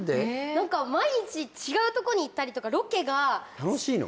何か毎日違うとこに行ったりとかロケが楽しいの？